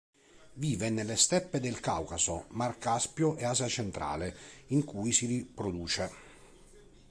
Vive nelle steppe del Caucaso, Mar Caspio e Asia centrale, in cui si riproduce.